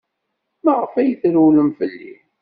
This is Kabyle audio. Maɣef ay trewlemt fell-i?